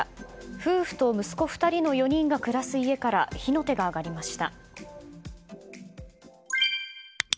夫婦と息子２人の４人が暮らす家から火の手が上がりました。